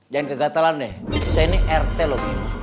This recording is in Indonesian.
jangan kegatelan deh saya ini rt loh bima